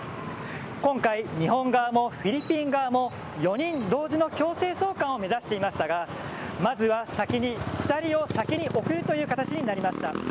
今回、日本側もフィリピン側も４人同時の強制送還を目指していましたがまずは先に２人を送るという形になりました。